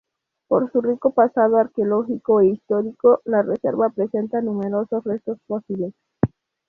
Por su rico pasado arqueológico e histórico, la reserva presenta numerosos restos fósiles.